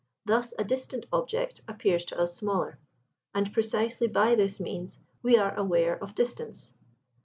Thus a distant object appears to us smaller; and precisely by this means we are aware of distance.